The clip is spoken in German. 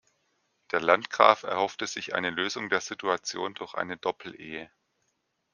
Der Landgraf erhoffte sich eine Lösung der Situation durch eine Doppelehe.